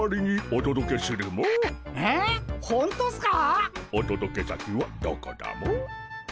おとどけ先はどこだモ？